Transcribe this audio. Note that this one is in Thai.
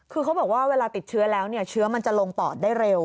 คือเขาบอกว่าเวลาติดเชื้อแล้วเนี่ยเชื้อมันจะลงปอดได้เร็ว